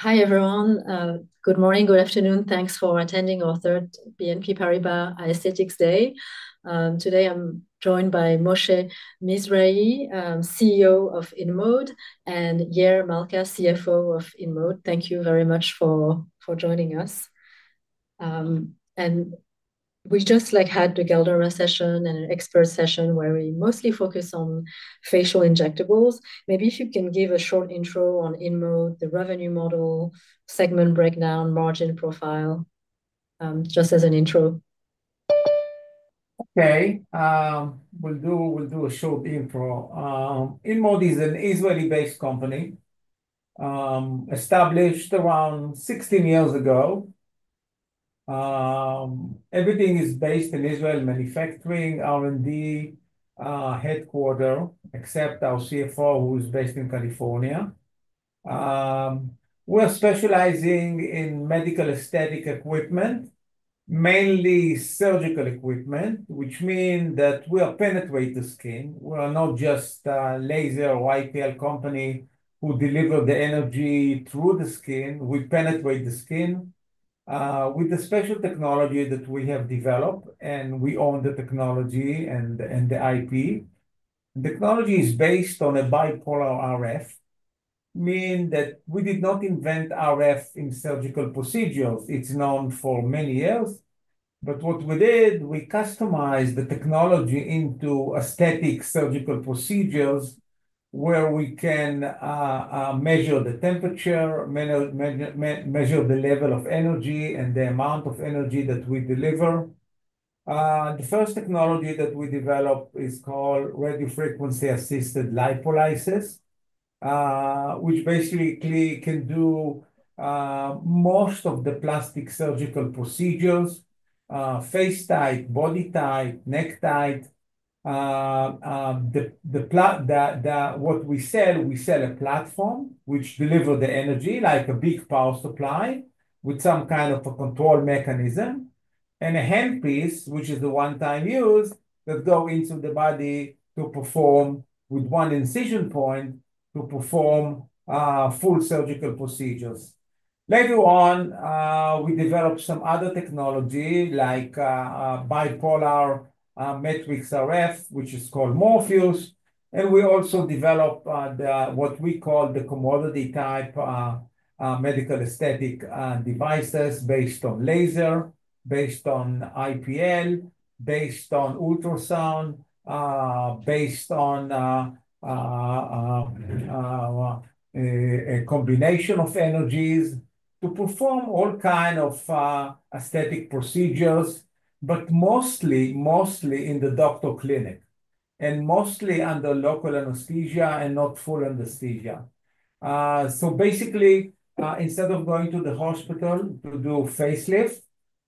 Hi everyone, good morning, good afternoon, thanks for attending our third BNP Paribas Aesthetics Day. Today I'm joined by Moshe Mizrahy, CEO of InMode, and Yair Malca, CFO of InMode. Thank you very much for joining us. We just had the Galderma session and an expert session where we mostly focus on facial injectables. Maybe if you can give a short intro on InMode, the revenue model, segment breakdown, margin profile, just as an intro. Okay, we'll do a short intro. InMode is an Israeli-based company established around 16 years ago. Everything is based in Israel, manufacturing, R&D headquarter, except our CFO, who is based in California. We're specializing in medical aesthetic equipment, mainly surgical equipment, which means that we penetrate the skin. We are not just a laser or IPL company who delivers the energy through the skin. We penetrate the skin with the special technology that we have developed, and we own the technology and the IP. The technology is based on a bipolar RF, meaning that we did not invent RF in surgical procedures. It's known for many years. What we did, we customized the technology into aesthetic surgical procedures where we can measure the temperature, measure the level of energy, and the amount of energy that we deliver. The first technology that we developed is called radiofrequency-assisted lipolysis, which basically can do most of the plastic surgical procedures: face type, body type, neck type. What we sell, we sell a platform which delivers the energy, like a big power supply with some kind of a control mechanism, and a handpiece, which is the one-time use, that goes into the body to perform with one incision point to perform full surgical procedures. Later on, we developed some other technology, like bipolar matrix RF, which is called Morpheus. We also developed what we call the commodity-type medical aesthetic devices based on laser, based on IPL, based on ultrasound, based on a combination of energies to perform all kinds of aesthetic procedures, but mostly in the doctor clinic and mostly under local anesthesia and not full anesthesia. Basically, instead of going to the hospital to do a facelift,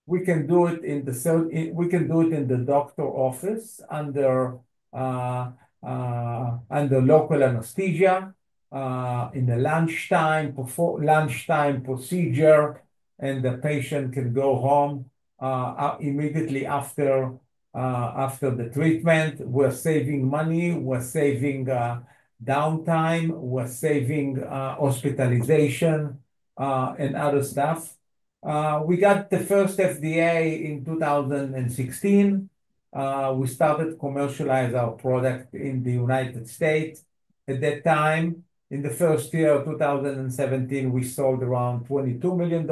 we can do it in the doctor office under local anesthesia in the lunchtime procedure, and the patient can go home immediately after the treatment. We're saving money, we're saving downtime, we're saving hospitalization and other stuff. We got the first FDA in 2016. We started to commercialize our product in the United States. At that time, in the first year of 2017, we sold around $22 million.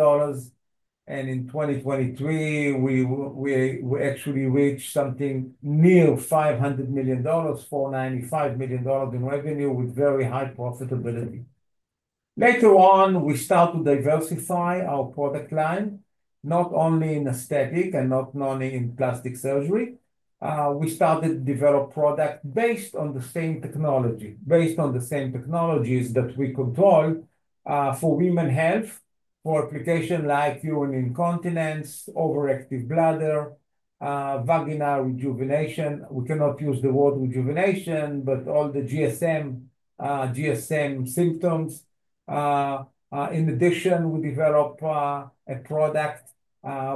In 2023, we actually reached something near $500 million, $495 million in revenue with very high profitability. Later on, we started to diversify our product line, not only in aesthetic and not only in plastic surgery. We started to develop products based on the same technology, based on the same technologies that we control for women's health, for applications like urine incontinence, overactive bladder, vaginal rejuvenation. We cannot use the word rejuvenation, but all the GSM symptoms. In addition, we developed a product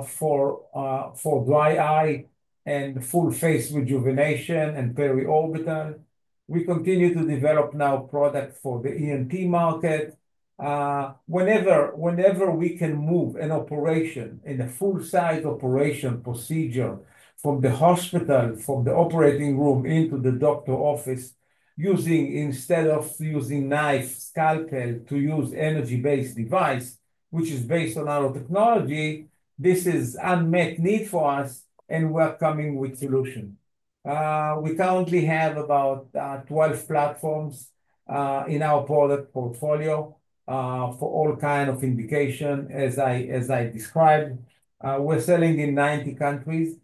for dry eye and full face rejuvenation and periorbital. We continue to develop now products for the ENT market. Whenever we can move an operation in a full-size operation procedure from the hospital, from the operating room into the doctor office, instead of using knife, scalpel to use an energy-based device, which is based on our technology, this is an unmet need for us, and we're coming with a solution. We currently have about 12 platforms in our product portfolio for all kinds of indications, as I described. We're selling in 90 countries.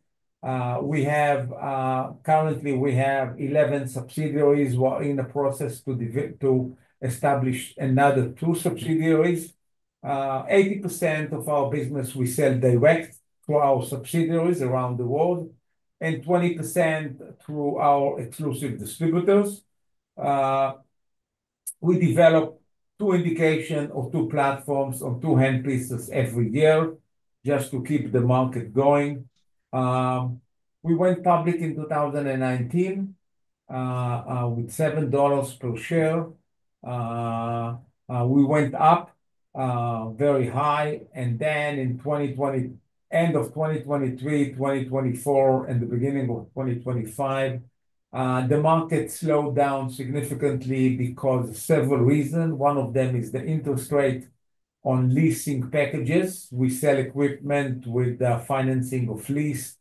Currently, we have 11 subsidiaries in the process to establish another two subsidiaries. 80% of our business, we sell direct to our subsidiaries around the world, and 20% through our exclusive distributors. We develop two indications or two platforms or two handpieces every year just to keep the market going. We went public in 2019 with $7 per share. We went up very high. In the end of 2023, 2024, and the beginning of 2025, the market slowed down significantly because of several reasons. One of them is the interest rate on leasing packages. We sell equipment with the financing of lease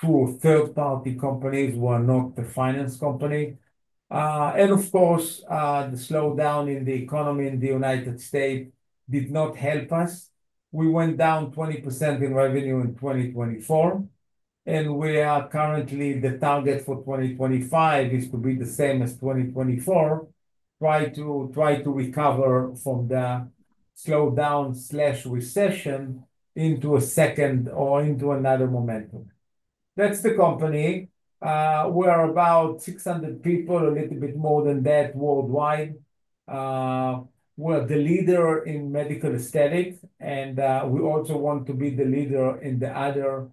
through third-party companies who are not the finance company. Of course, the slowdown in the economy in the United States did not help us. We went down 20% in revenue in 2024. We are currently the target for 2025 is to be the same as 2024, trying to recover from the slowdown/recession into a second or into another momentum. That is the company. We are about 600 people, a little bit more than that worldwide. We're the leader in medical aesthetics, and we also want to be the leader in the other,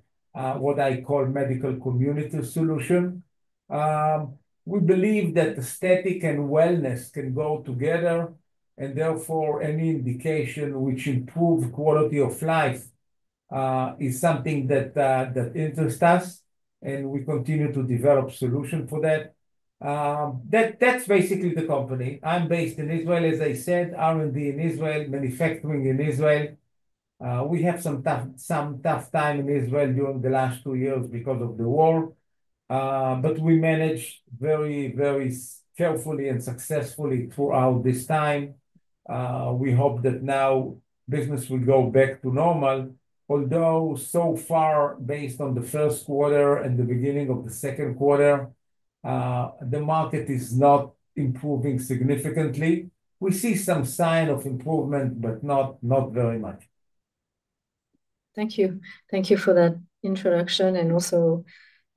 what I call medical community solution. We believe that aesthetic and wellness can go together, and therefore any indication which improves quality of life is something that interests us, and we continue to develop solutions for that. That's basically the company. I'm based in Israel, as I said, R&D in Israel, manufacturing in Israel. We had some tough time in Israel during the last two years because of the war, but we managed very, very carefully and successfully throughout this time. We hope that now business will go back to normal, although so far, based on the first quarter and the beginning of the second quarter, the market is not improving significantly. We see some sign of improvement, but not very much. Thank you. Thank you for that introduction and also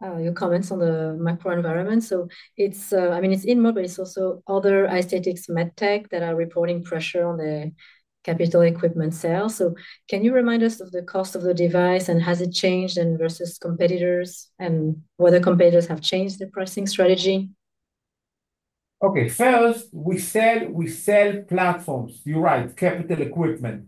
your comments on the microenvironment. I mean, it's InMode, but it's also other aesthetics med tech that are reporting pressure on the capital equipment sales. Can you remind us of the cost of the device and has it changed versus competitors and whether competitors have changed the pricing strategy? Okay, first, we sell platforms. You're right, capital equipment.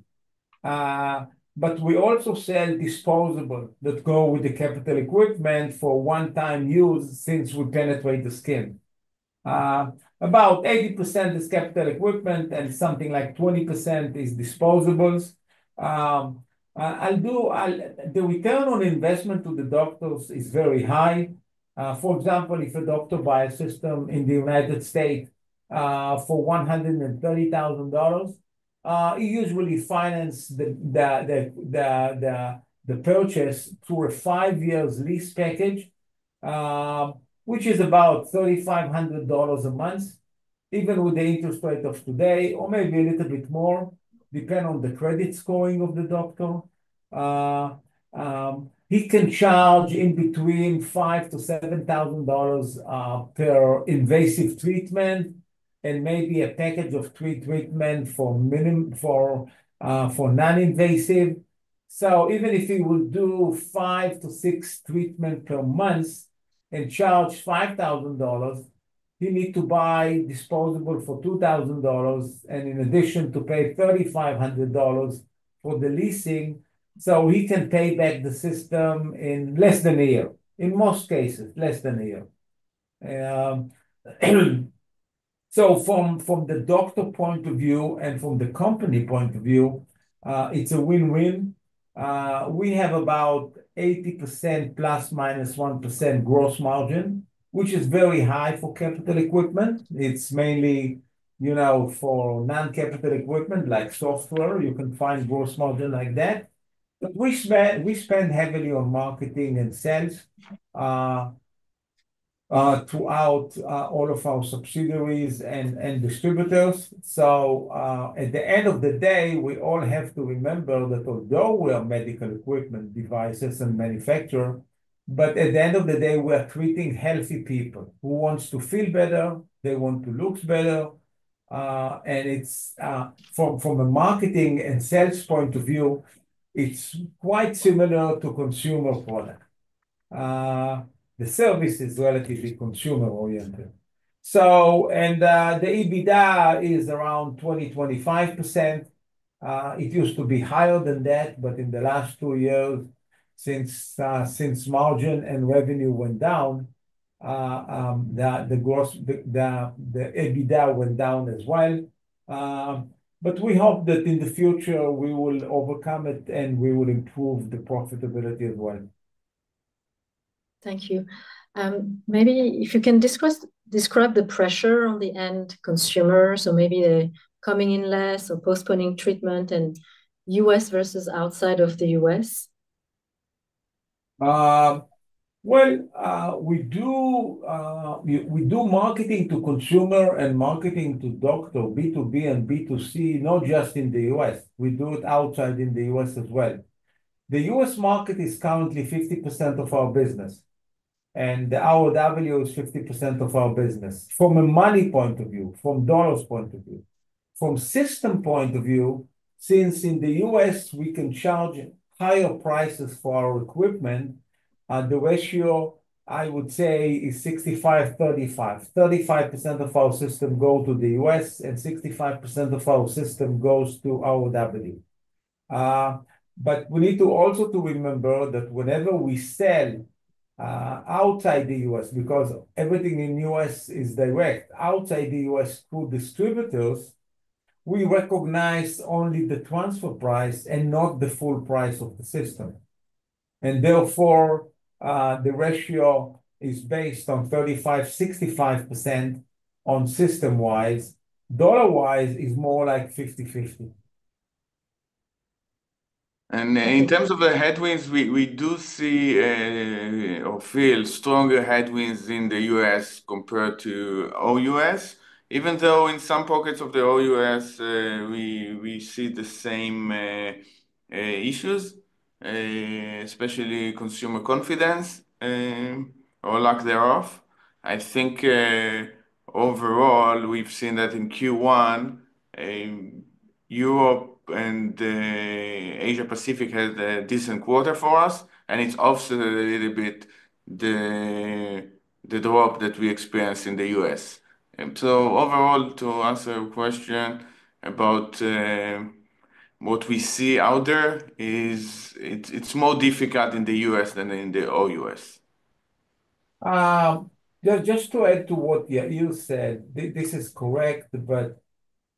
But we also sell disposables that go with the capital equipment for one-time use since we penetrate the skin. About 80% is capital equipment, and something like 20% is disposables. The return on investment to the doctors is very high. For example, if a doctor buys a system in the United States for $130,000, he usually finances the purchase through a five-year lease package, which is about $3,500 a month, even with the interest rate of today or maybe a little bit more, depending on the credit scoring of the doctor. He can charge in between $5,000-$7,000 per invasive treatment and maybe a package of three treatments for non-invasive. Even if he would do five to six treatments per month and charge $5,000, he needs to buy disposable for $2,000 and in addition to pay $3,500 for the leasing, so he can pay back the system in less than a year, in most cases, less than a year. From the doctor point of view and from the company point of view, it's a win-win. We have about 80% plus minus 1% gross margin, which is very high for capital equipment. It's mainly for non-capital equipment like software you can find gross margin like that. We spend heavily on marketing and sales throughout all of our subsidiaries and distributors. At the end of the day, we all have to remember that although we are medical equipment devices and manufacturers, at the end of the day, we are treating healthy people who want to feel better, they want to look better. From a marketing and sales point of view, it's quite similar to consumer products. The service is relatively consumer-oriented. The EBITDA is around 20%-25%. It used to be higher than that, but in the last two years, since margin and revenue went down, the EBITDA went down as well. We hope that in the future, we will overcome it and we will improve the profitability as well. Thank you. Maybe if you can describe the pressure on the end consumer, so maybe the coming in less or postponing treatment in the U.S. versus outside of the U.S. We do marketing to consumer and marketing to doctor, B2B and B2C, not just in the U.S. We do it outside the U.S. as well. The U.S. market is currently 50% of our business, and our ROW is 50% of our business from a money point of view, from dollars point of view, from system point of view, since in the U.S., we can charge higher prices for our equipment. The ratio, I would say, is 65:35. 35% of our system goes to the U.S. and 65% of our system goes to ROW. We need to also remember that whenever we sell outside the U.S., because everything in the U.S. is direct and outside the U.S. to distributors, we recognize only the transfer price and not the full price of the system. Therefore, the ratio is based on 35%-65% on system-wise. Dollar-wise, it's more like 50-50. In terms of the headwinds, we do see or feel stronger headwinds in the U.S. compared to O.U.S., even though in some pockets of the O.U.S., we see the same issues, especially consumer confidence or lack thereof. I think overall, we've seen that in Q1, Europe and Asia-Pacific had a decent quarter for us, and it's also a little bit the drop that we experienced in the U.S. Overall, to answer your question about what we see out there, it's more difficult in the U.S. than in the O.U.S. Just to add to what you said, this is correct,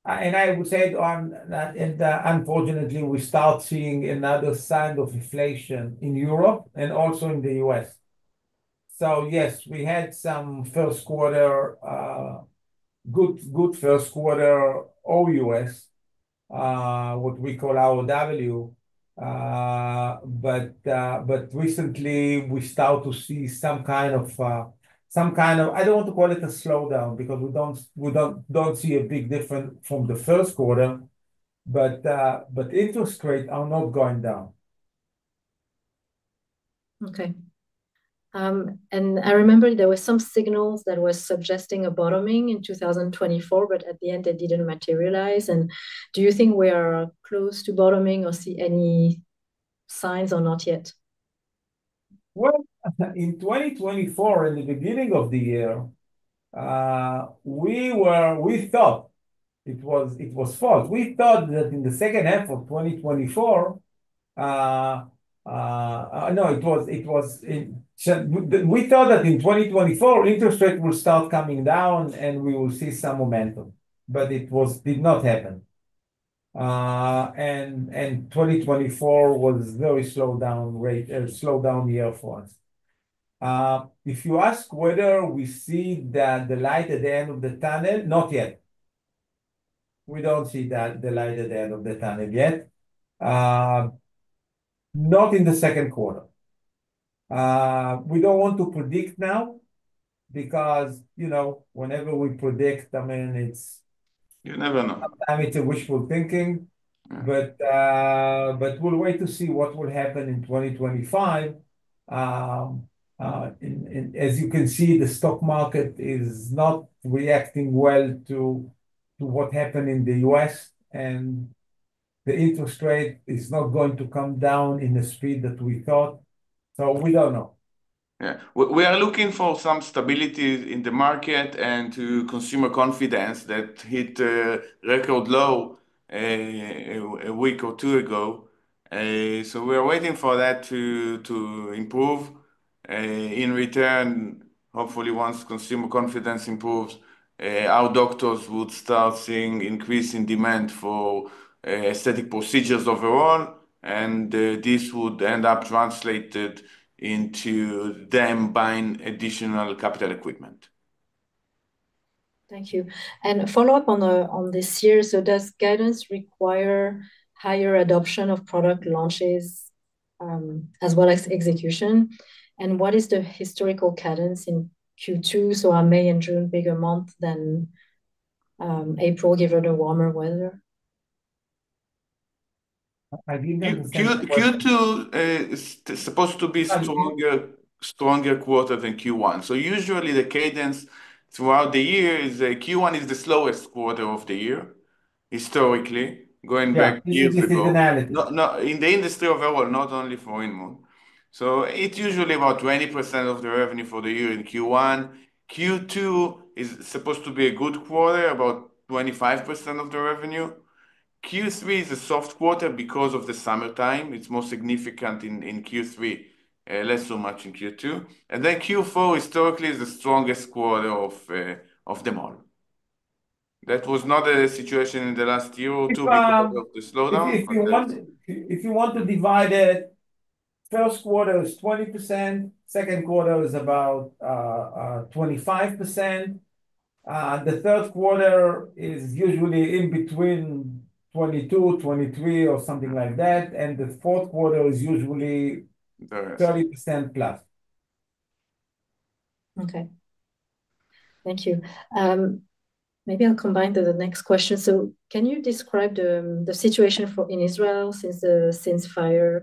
and I would say that unfortunately, we start seeing another sign of inflation in Europe and also in the U.S. Yes, we had some first quarter, good first quarter, O.U.S., what we call our W. Recently, we start to see some kind of, I do not want to call it a slowdown because we do not see a big difference from the first quarter, but interest rates are not going down. Okay. I remember there were some signals that were suggesting a bottoming in 2024, but at the end, it did not materialize. Do you think we are close to bottoming or see any signs or not yet? In 2024, in the beginning of the year, we thought it was false. We thought that in the second half of 2024, no, we thought that in 2024, interest rates will start coming down and we will see some momentum, but it did not happen. And 2024 was a very slowdown year for us. If you ask whether we see the light at the end of the tunnel, not yet. We do not see the light at the end of the tunnel yet, not in the second quarter. We do not want to predict now because whenever we predict, I mean, it is. You never know. Sometimes it's wishful thinking, but we'll wait to see what will happen in 2025. As you can see, the stock market is not reacting well to what happened in the U.S., and the interest rate is not going to come down at the speed that we thought. We don't know. Yeah. We are looking for some stability in the market and to consumer confidence that hit a record low a week or two ago. We are waiting for that to improve. In return, hopefully, once consumer confidence improves, our doctors would start seeing an increase in demand for aesthetic procedures overall, and this would end up translated into them buying additional capital equipment. Thank you. A follow-up on this year, does guidance require higher adoption of product launches as well as execution? What is the historical cadence in Q2? Are May and June bigger months than April given the warmer weather? Q2 is supposed to be a stronger quarter than Q1. Usually, the cadence throughout the year is Q1 is the slowest quarter of the year historically, going back years ago. In the industry overall, not only for InMode. It's usually about 20% of the revenue for the year in Q1. Q2 is supposed to be a good quarter, about 25% of the revenue. Q3 is a soft quarter because of the summertime. It's more significant in Q3, less so much in Q2. Q4 historically is the strongest quarter of them all. That was not the situation in the last year or two because of the slowdown. If you want to divide it, first quarter is 20%, second quarter is about 25%. The third quarter is usually in between 22%, 23%, or something like that. The fourth quarter is usually 30%+. Okay. Thank you. Maybe I'll combine to the next question. Can you describe the situation in Israel ceasefire,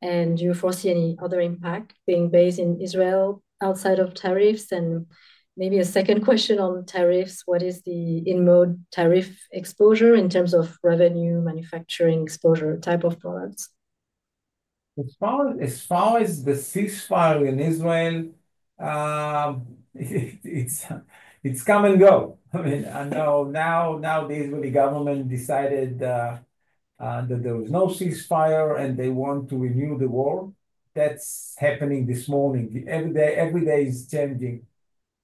and do you foresee any other impact being based in Israel outside of tariffs? Maybe a second question on tariffs, what is the InMode tariff exposure in terms of revenue, manufacturing exposure, type of products? As far as the ceasefire in Israel, it's come and go. I mean, I know now the government decided that there was no ceasefire and they want to renew the war. That's happening this morning. Every day is changing.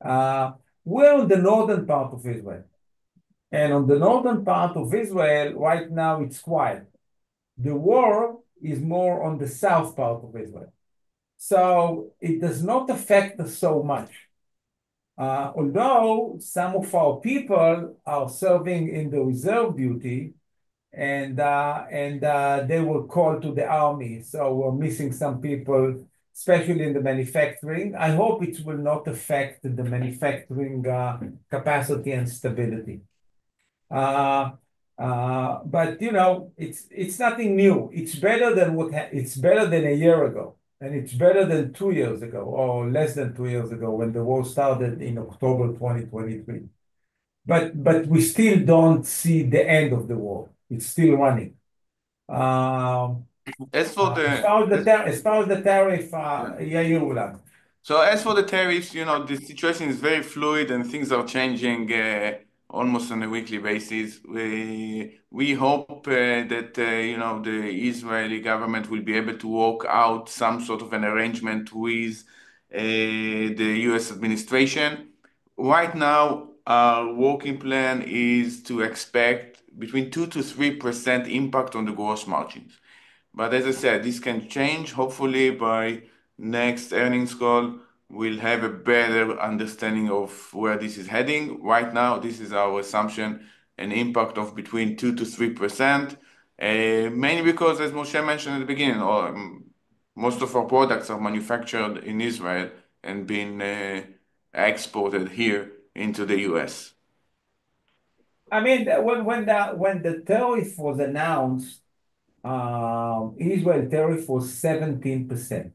We're on the northern part of Israel. And on the northern part of Israel, right now, it's quiet. The war is more on the south part of Israel. It does not affect us so much. Although some of our people are serving in the reserve duty and they were called to the army, so we're missing some people, especially in the manufacturing. I hope it will not affect the manufacturing capacity and stability. But it's nothing new. It's better than a year ago, and it's better than two years ago or less than two years ago when the war started in October 2023. We still don't see the end of the war. It's still running. As for the. As far as the tariff, Yair Malca. As for the tariffs, the situation is very fluid and things are changing almost on a weekly basis. We hope that the Israeli government will be able to work out some sort of an arrangement with the U.S. administration. Right now, our working plan is to expect between 2%-3% impact on the gross margins. As I said, this can change. Hopefully, by next earnings call, we'll have a better understanding of where this is heading. Right now, this is our assumption, an impact of between 2%-3%, mainly because, as Moshe mentioned at the beginning, most of our products are manufactured in Israel and being exported here into the U.S. I mean, when the tariff was announced, Israel tariff was 17%.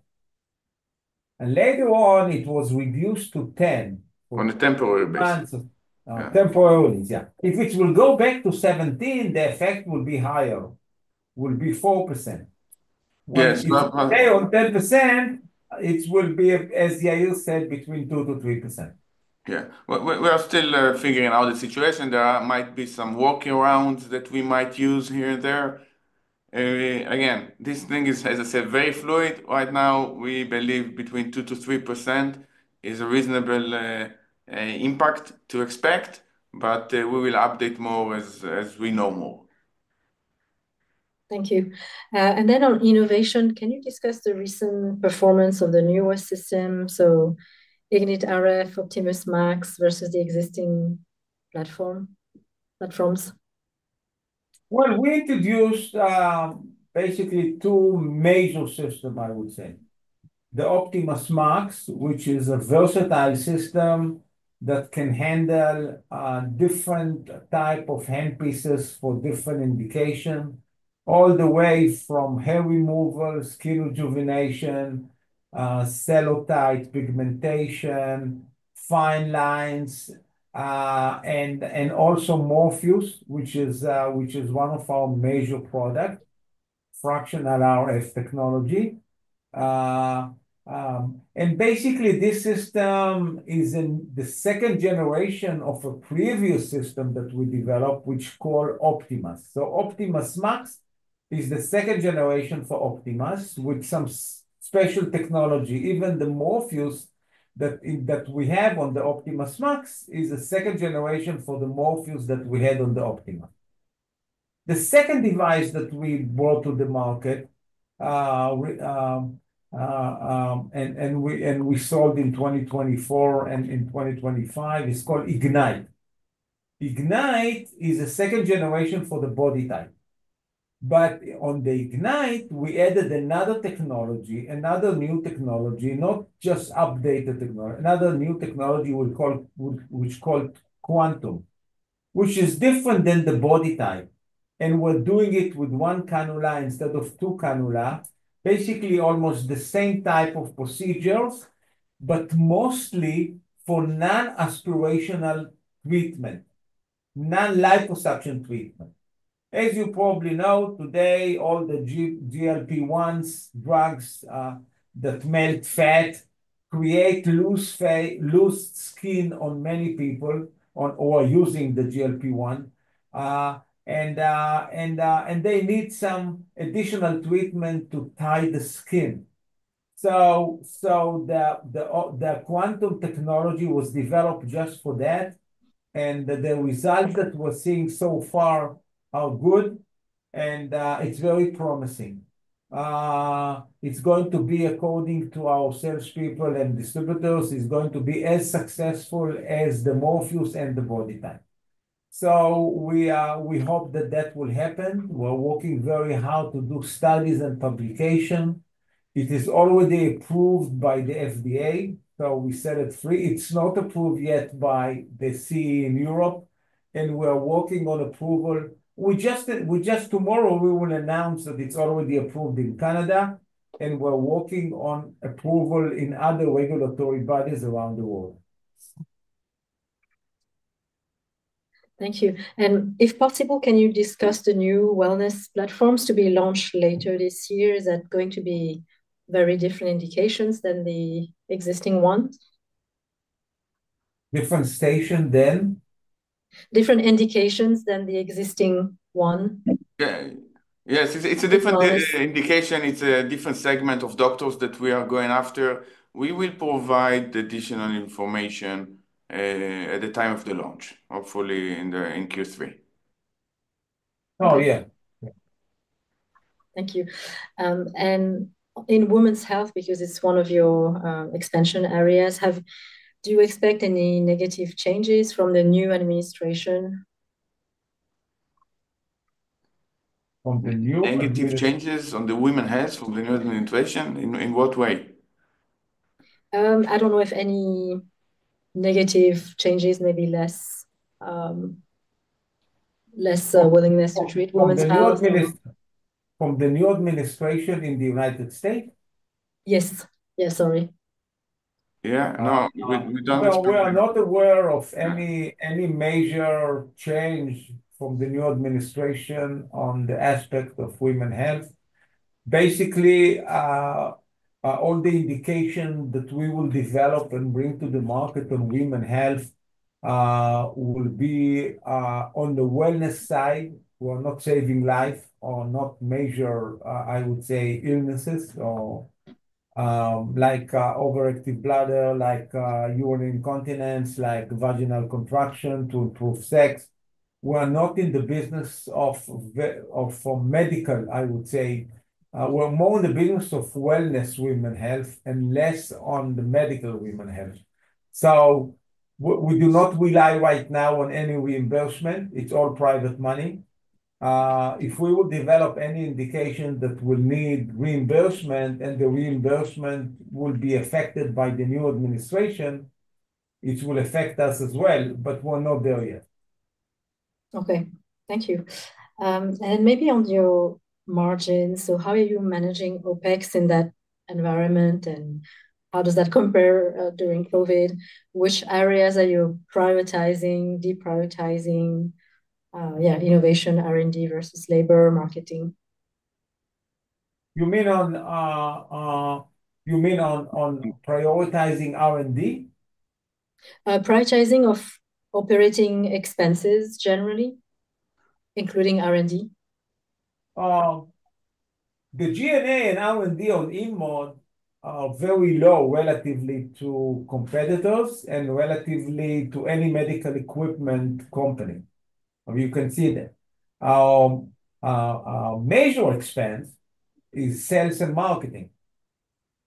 And later on, it was reduced to 10%. On a temporary basis. Temporary release, yeah. If it will go back to 17%, the effect will be higher, will be 4%. Yes. Say on 10%, it will be, as Yair said, between 2%-3%. Yeah. We are still figuring out the situation. There might be some workarounds that we might use here and there. Again, this thing is, as I said, very fluid. Right now, we believe between 2%-3% is a reasonable impact to expect, but we will update more as we know more. Thank you. And then on innovation, can you discuss the recent performance of the newest system? So IgniteRF, OptimasMAX versus the existing platforms? We introduced basically two major systems, I would say. The OptimasMAX, which is a versatile system that can handle different types of handpieces for different indications, all the way from hair removal, skin rejuvenation, cellulite, pigmentation, fine lines, and also Morpheus, which is one of our major products, fractional RF technology. Basically, this system is the second generation of a previous system that we developed, which we call Optimas. OptimasMAX is the second generation for Optimas with some special technology. Even the Morpheus that we have on the OptimasMAX is a second generation for the Morpheus that we had on the Optimas. The second device that we brought to the market and we sold in 2024 and in 2025 is called Ignite. Ignite is a second generation for the BodyTite. On the Ignite, we added another technology, another new technology, not just updated technology, another new technology which is called Quantum, which is different than the BodyTite. We're doing it with one cannula instead of two cannula, basically almost the same type of procedures, but mostly for non-aspirational treatment, non-liposuction treatment. As you probably know, today, all the GLP-1 drugs that melt fat create loose skin on many people who are using the GLP-1. They need some additional treatment to tighten the skin. The Quantum technology was developed just for that. The results that we're seeing so far are good, and it's very promising. It's going to be, according to our salespeople and distributors, as successful as the Morpheus and the BodyTite. We hope that that will happen. We're working very hard to do studies and publication. It is already approved by the FDA, so we set it free. It's not approved yet by the CE in Europe, and we're working on approval. Tomorrow, we will announce that it's already approved in Canada, and we're working on approval in other regulatory bodies around the world. Thank you. If possible, can you discuss the new wellness platforms to be launched later this year? Is that going to be very different indications than the existing one? Different station then? Different indications than the existing one. Yes. It's a different indication. It's a different segment of doctors that we are going after. We will provide the additional information at the time of the launch, hopefully in Q3. Oh, yeah. Thank you. In women's health, because it's one of your expansion areas, do you expect any negative changes from the new administration? Negative changes on the women's health from the new administration? In what way? I don't know if any negative changes, maybe less willingness to treat women's health. From the new administration in the United States? Yes. Yeah. Sorry. Yeah. No. We don't expect. We are not aware of any major change from the new administration on the aspect of women's health. Basically, all the indications that we will develop and bring to the market on women's health will be on the wellness side. We're not saving life or not measure, I would say, illnesses like overactive bladder, like urinary incontinence, like vaginal contraction to improve sex. We're not in the business of medical, I would say. We're more in the business of wellness women's health and less on the medical women's health. We do not rely right now on any reimbursement. It's all private money. If we will develop any indication that will need reimbursement and the reimbursement will be affected by the new administration, it will affect us as well, but we're not there yet. Okay. Thank you. Maybe on your margins, how are you managing OpEx in that environment, and how does that compare during COVID? Which areas are you prioritizing, deprioritizing? Yeah. Innovation, R&D versus labor, marketing? You mean on prioritizing R&D? Prioritizing of operating expenses generally, including R&D? The G&A and R&D on InMode are very low relatively to competitors and relatively to any medical equipment company. You can see that. Our major expense is sales and marketing.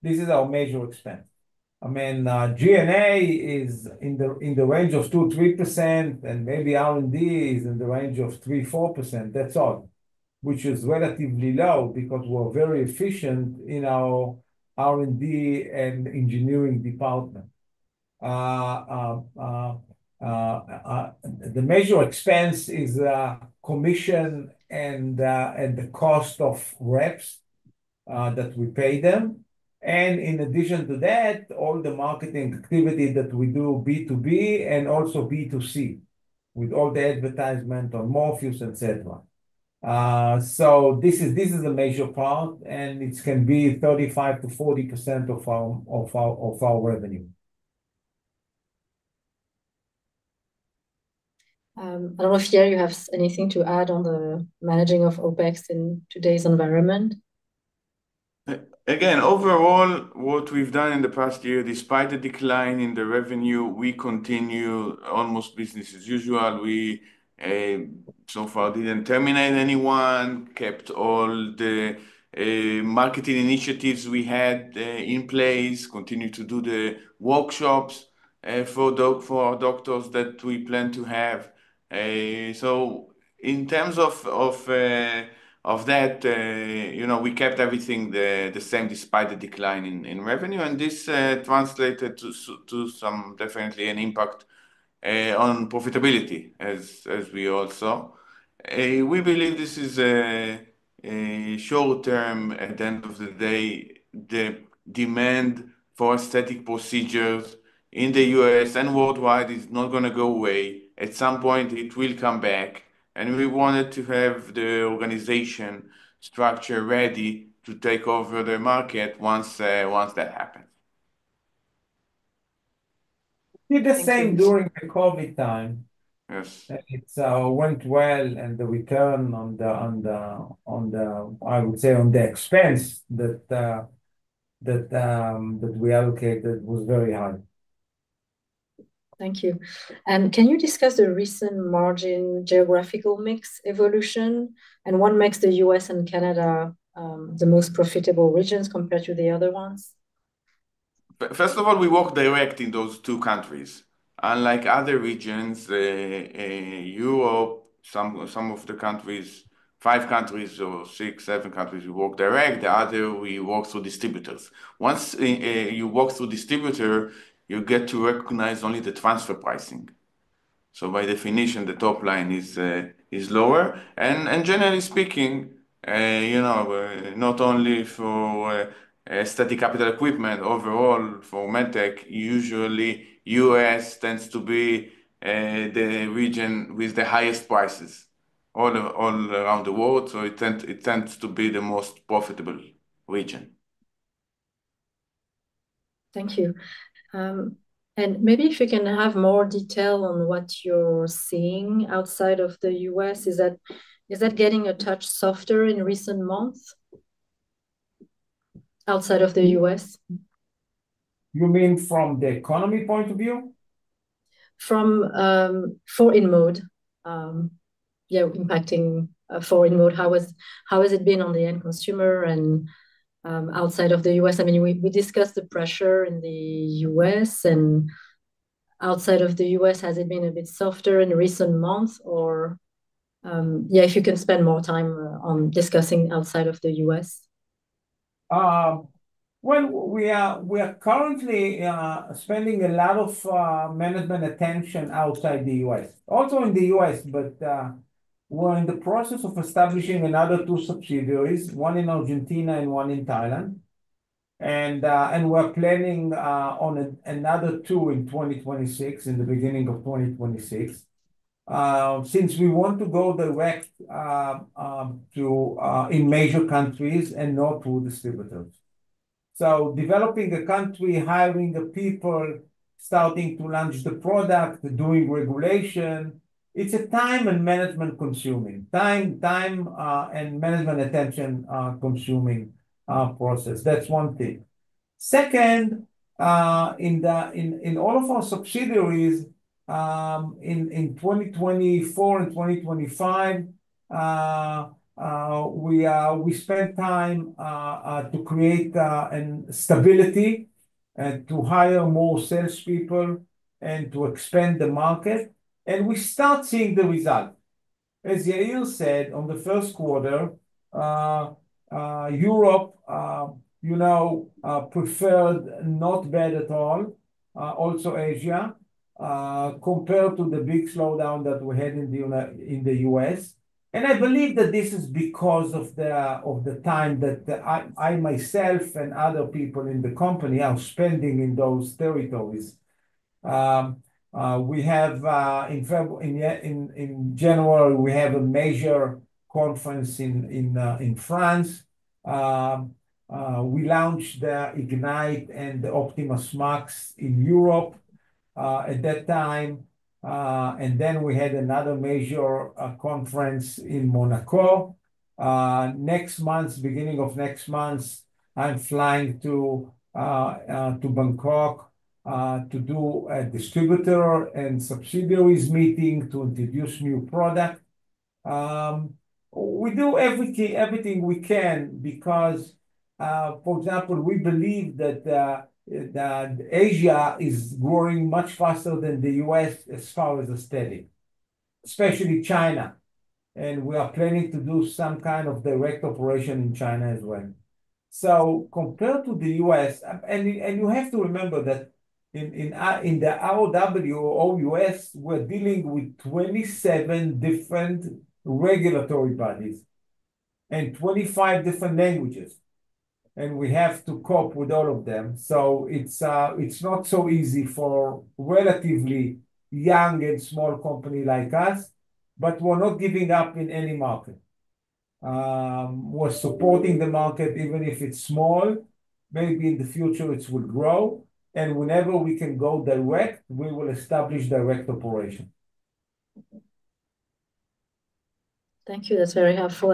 This is our major expense. I mean, G&A is in the range of 2%-3%, and maybe R&D is in the range of 3%-4%. That's all, which is relatively low because we're very efficient in our R&D and engineering department. The major expense is commission and the cost of reps that we pay them. In addition to that, all the marketing activity that we do B2B and also B2C with all the advertisement on Morpheus, etc. This is the major part, and it can be 35%-40% of our revenue. I don't know if Yair, you have anything to add on the managing of OpEx in today's environment. Again, overall, what we've done in the past year, despite the decline in the revenue, we continue almost business as usual. We so far didn't terminate anyone, kept all the marketing initiatives we had in place, continued to do the workshops for our doctors that we plan to have. In terms of that, we kept everything the same despite the decline in revenue. This translated to some definitely an impact on profitability, as we all saw. We believe this is a short-term. At the end of the day, the demand for aesthetic procedures in the U.S. and worldwide is not going to go away. At some point, it will come back. We wanted to have the organization structure ready to take over the market once that happens. We did the same during the COVID time. Yes. It went well, and the return on the, I would say, on the expense that we allocated was very high. Thank you. Can you discuss the recent margin geographical mix evolution? What makes the U.S. and Canada the most profitable regions compared to the other ones? First of all, we work direct in those two countries. Unlike other regions, Europe, some of the countries, five countries or six, seven countries, we work direct. The other, we work through distributors. Once you work through distributor, you get to recognize only the transfer pricing. By definition, the top line is lower. Generally speaking, not only for aesthetic capital equipment, overall for med tech, usually U.S. tends to be the region with the highest prices all around the world. It tends to be the most profitable region. Thank you. Maybe if you can have more detail on what you're seeing outside of the U.S., is that getting a touch softer in recent months outside of the U.S.? You mean from the economy point of view? From for InMode. Yeah. Impacting InMode. How has it been on the end consumer and outside of the U.S.? I mean, we discussed the pressure in the U.S. Outside of the U.S., has it been a bit softer in recent months? Or yeah, if you can spend more time on discussing outside of the U.S. We are currently spending a lot of management attention outside the U.S. Also in the U.S., but we're in the process of establishing another two subsidiaries, one in Argentina and one in Thailand. We're planning on another two in 2026, in the beginning of 2026, since we want to go direct in major countries and not through distributors. Developing a country, hiring the people, starting to launch the product, doing regulation. It's a time and management attention-consuming process. That's one thing. Second, in all of our subsidiaries in 2024 and 2025, we spent time to create stability and to hire more salespeople and to expand the market. We start seeing the result. As Yair said, on the first quarter, Europe performed not bad at all, also Asia, compared to the big slowdown that we had in the U.S. I believe that this is because of the time that I myself and other people in the company are spending in those territories. In January, we have a major conference in France. We launched Ignite and OptimasMAX in Europe at that time. We had another major conference in Monaco. Next month, beginning of next month, I'm flying to Bangkok to do a distributor and subsidiaries meeting to introduce new product. We do everything we can because, for example, we believe that Asia is growing much faster than the U.S. as far as a steady, especially China. We are planning to do some kind of direct operation in China as well. Compared to the U.S., and you have to remember that in the ROW or U.S., we're dealing with 27 different regulatory bodies and 25 different languages. We have to cope with all of them. It is not so easy for a relatively young and small company like us, but we are not giving up in any market. We are supporting the market, even if it is small. Maybe in the future, it will grow. Whenever we can go direct, we will establish direct operation. Thank you. That's very helpful.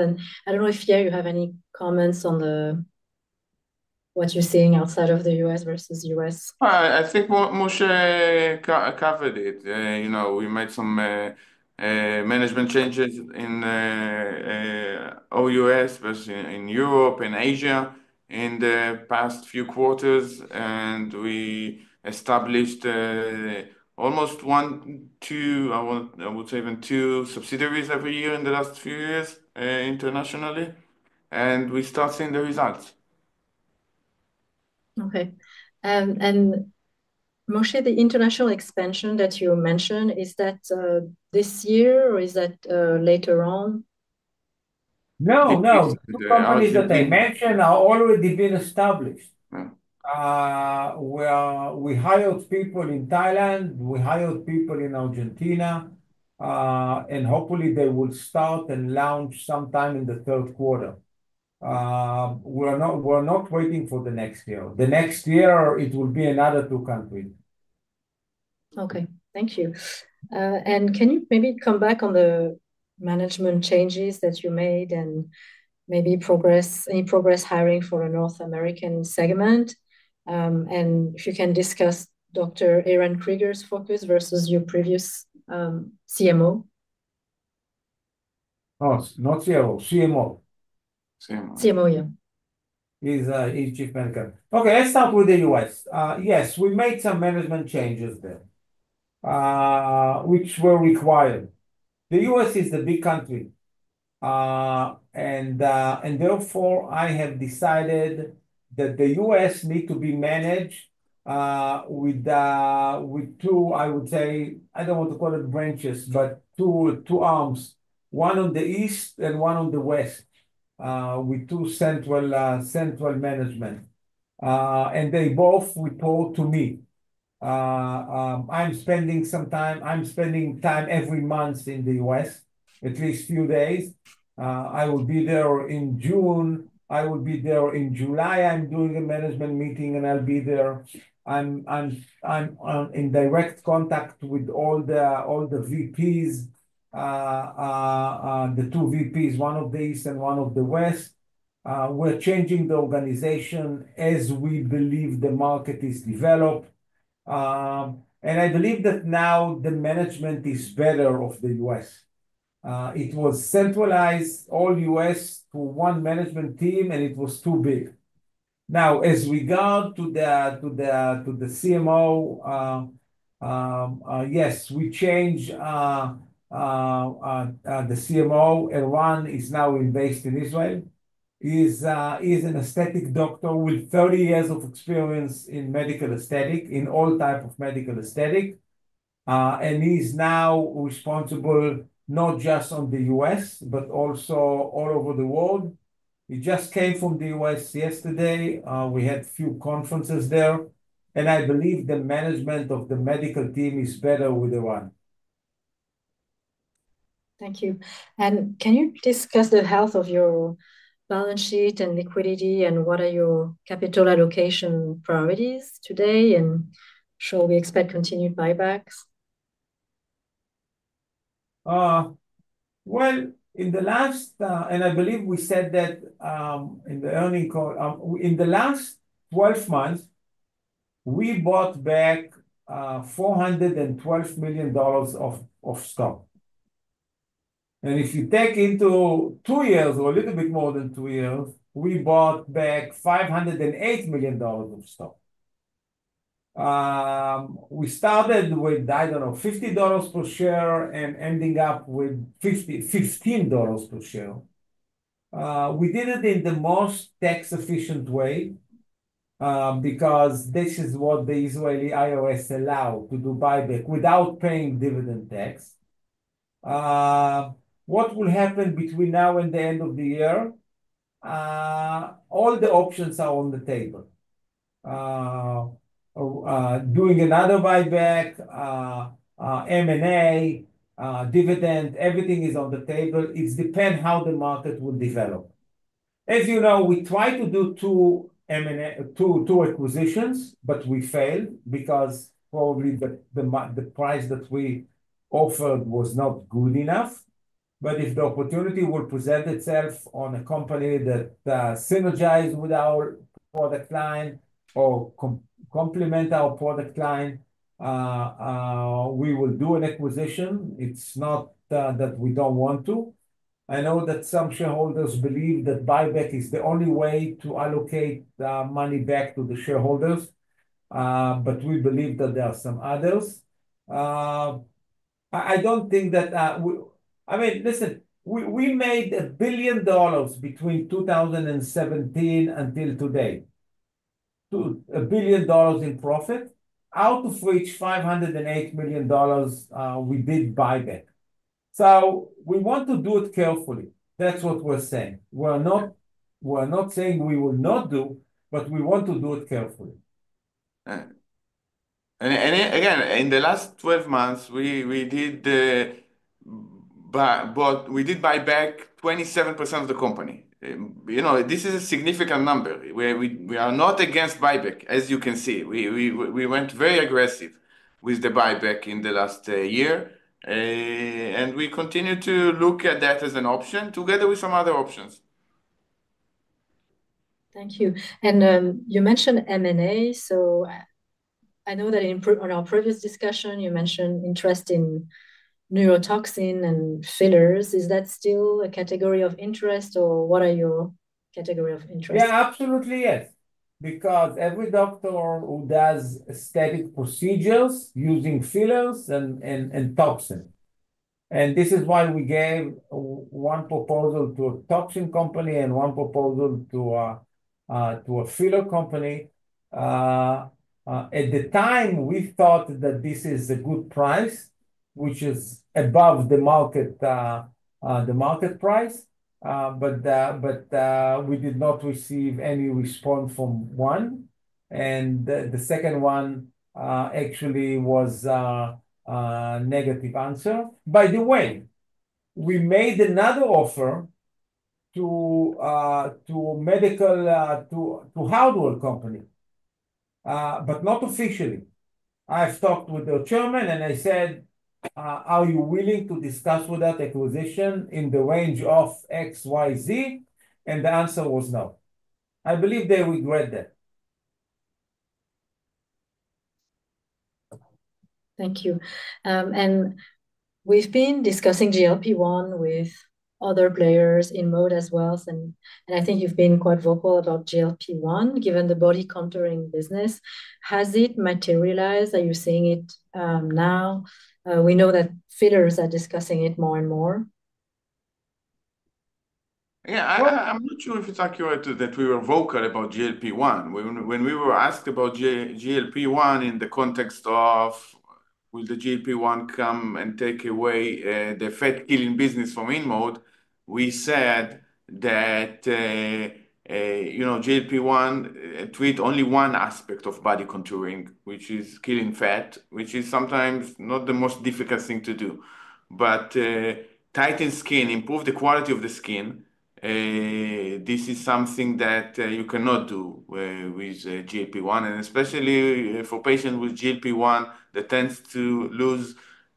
I don't know if Yair, you have any comments on what you're seeing outside of the U.S. versus U.S. I think Moshe covered it. We made some management changes in all U.S. versus in Europe and Asia in the past few quarters. We established almost one, two, I would say even two subsidiaries every year in the last few years internationally. We start seeing the results. Okay. Moshe, the international expansion that you mentioned, is that this year or is that later on? No, no. The companies that I mentioned have already been established. We hired people in Thailand. We hired people in Argentina. Hopefully, they will start and launch sometime in the third quarter. We're not waiting for the next year. The next year, it will be another two countries. Okay. Thank you. Can you maybe come back on the management changes that you made and maybe any progress hiring for a North American segment? If you can discuss Dr. Aaron Krieger's focus versus your previous CMO? Oh, not COO. CMO. CMO. CMO, yeah. He's Chief Medical. Okay. Let's start with the U.S. Yes. We made some management changes there, which were required. The U.S. is the big country. Therefore, I have decided that the U.S. needs to be managed with two, I would say, I do not want to call it branches, but two arms, one on the east and one on the west with two central management. They both report to me. I'm spending some time every month in the U.S., at least a few days. I will be there in June. I will be there in July. I'm doing a management meeting, and I'll be there. I'm in direct contact with all the VPs, the two VPs, one of the east and one of the west. We're changing the organization as we believe the market is developed. I believe that now the management is better of the U.S. It was centralized all U.S. to one management team, and it was too big. Now, as we go to the CMO, yes, we change the CMO. Erwan is now based in Israel. He's an aesthetic doctor with 30 years of experience in medical aesthetic, in all types of medical aesthetic. And he's now responsible not just on the U.S., but also all over the world. He just came from the U.S. yesterday. We had a few conferences there. I believe the management of the medical team is better with Erwan. Thank you. Can you discuss the health of your balance sheet and liquidity and what are your capital allocation priorities today? Should we expect continued buybacks? ` In the last, and I believe we said that in the earnings call, in the last 12 months, we bought back $412 million of stock. If you take into two years or a little bit more than two years, we bought back $508 million of stock. We started with, I don't know, $50 per share and ending up with $15 per share. We did it in the most tax-efficient way because this is what the Israeli IRS allowed to do buyback without paying dividend tax. What will happen between now and the end of the year? All the options are on the table. Doing another buyback, M&A, dividend, everything is on the table. It depends how the market will develop. As you know, we tried to do two acquisitions, but we failed because probably the price that we offered was not good enough. If the opportunity will present itself on a company that synergizes with our product line or complements our product line, we will do an acquisition. It's not that we don't want to. I know that some shareholders believe that buyback is the only way to allocate money back to the shareholders. We believe that there are some others. I don't think that, I mean, listen, we made a billion dollars between 2017 until today, a billion dollars in profit. Out of which $508 million, we did buyback. We want to do it carefully. That's what we're saying. We're not saying we will not do, but we want to do it carefully. Again, in the last 12 months, we did buy back 27% of the company. This is a significant number. We are not against buyback, as you can see. We went very aggressive with the buyback in the last year. We continue to look at that as an option together with some other options. Thank you. You mentioned M&A. I know that in our previous discussion, you mentioned interest in neurotoxin and fillers. Is that still a category of interest, or what are your category of interest? Yeah, absolutely, yes. Because every doctor who does aesthetic procedures using fillers and toxin. This is why we gave one proposal to a toxin company and one proposal to a filler company. At the time, we thought that this is a good price, which is above the market price. We did not receive any response from one. The second one actually was a negative answer. By the way, we made another offer to a medical hardware company, but not officially. I talked with the chairman, and I said, "Are you willing to discuss with that acquisition in the range of X, Y, Z?" The answer was no. I believe they regret that. Thank you. We have been discussing GLP-1 with other players in InMode as well. I think you have been quite vocal about GLP-1, given the body contouring business. Has it materialized? Are you seeing it now? We know that fillers are discussing it more and more. Yeah. I'm not sure if it's accurate that we were vocal about GLP-1. When we were asked about GLP-1 in the context of, "Will the GLP-1 come and take away the fat-killing business from InMode?" we said that GLP-1 treats only one aspect of body contouring, which is killing fat, which is sometimes not the most difficult thing to do. To tighten skin, improve the quality of the skin, this is something that you cannot do with GLP-1. Especially for patients with GLP-1, that tends to lose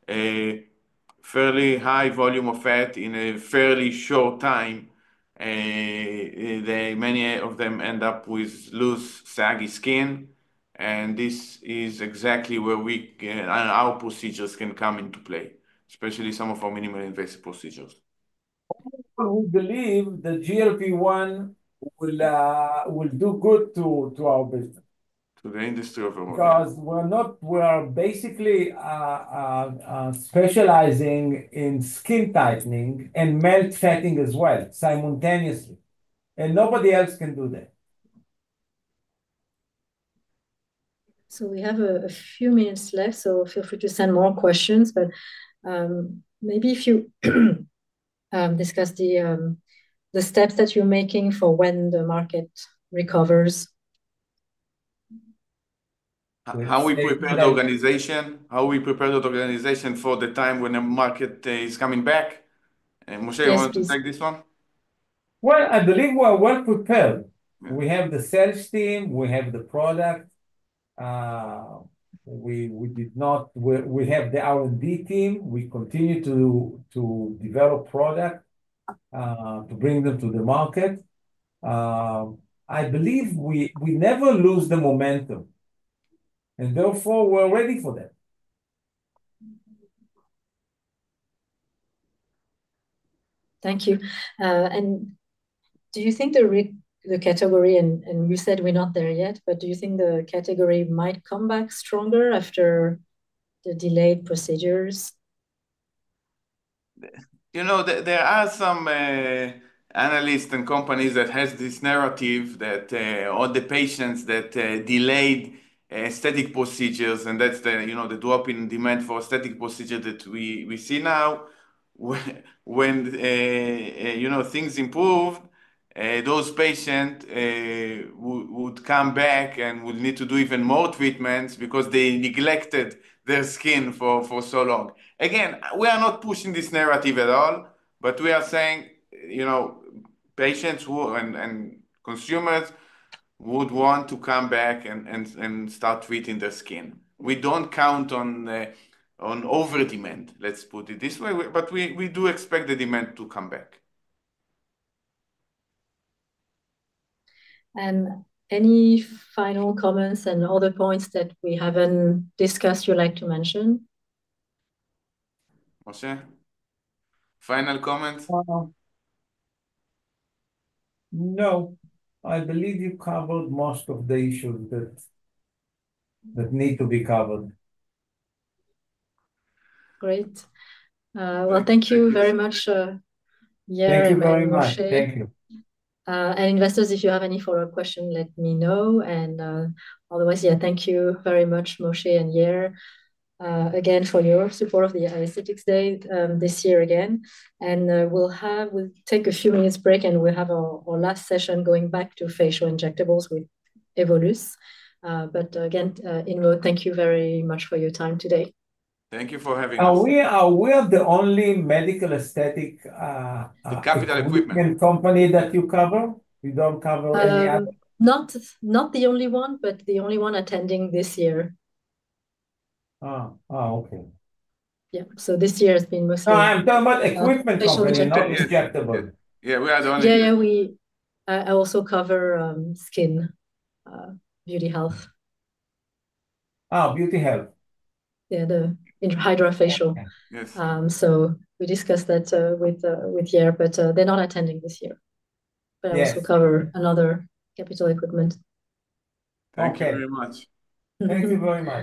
a fairly high volume of fat in a fairly short time. Many of them end up with loose, saggy skin. This is exactly where our procedures can come into play, especially some of our minimally invasive procedures. We believe that GLP-1 will do good to our business. To the industry of the world. Because we're basically specializing in skin tightening and melting fat as well simultaneously. Nobody else can do that. We have a few minutes left, so feel free to send more questions. Maybe if you discuss the steps that you're making for when the market recovers. How we prepare the organization, how we prepare the organization for the time when the market is coming back. Moshe, you want to take this one? I believe we're well prepared. We have the sales team. We have the product. We have the R&D team. We continue to develop product to bring them to the market. I believe we never lose the momentum. Therefore, we're ready for that. Thank you. Do you think the category—and you said we're not there yet—do you think the category might come back stronger after the delayed procedures? There are some analysts and companies that have this narrative that all the patients that delayed aesthetic procedures, and that's the drop in demand for aesthetic procedures that we see now. When things improved, those patients would come back and would need to do even more treatments because they neglected their skin for so long. Again, we are not pushing this narrative at all, but we are saying patients and consumers would want to come back and start treating their skin. We don't count on over-demand, let's put it this way. We do expect the demand to come back. Any final comments and other points that we haven't discussed you'd like to mention? Moshe? Final comments? No. I believe you covered most of the issues that need to be covered. Great. Thank you very much, Yair and Moshe. Thank you very much. Thank you. If you have any follow-up questions, let me know. Otherwise, thank you very much, Moshe and Yair, again, for your support of the Aesthetics Day this year again. We will take a few minutes break, and we will have our last session going back to facial injectables with Evolus. Again, thank you very much for your time today. Thank you for having us. Are we the only medical aesthetic? The capital equipment. Equipment company that you cover? We don't cover any other. Not the only one, but the only one attending this year. Oh, okay. Yeah. This year has been mostly. I'm talking about equipment company, not injectable. Yeah, we are the only. Yeah, yeah. I also cover skin, Beauty Health. Oh, Beauty Health. Yeah, the HydraFacial. So we discussed that with Yair, but they're not attending this year. But I also cover another capital equipment. Thank you very much. Thank you very much.